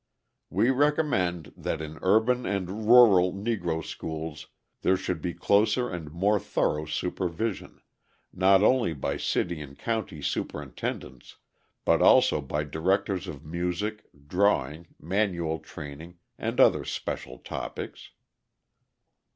We recommend that in urban and rural Negro schools there should be closer and more thorough supervision, not only by city and county superintendents, but also by directors of music, drawing, manual training, and other special topics.